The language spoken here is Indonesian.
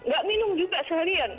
gak minum juga seharian